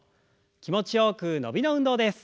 気持ちよく伸びの運動です。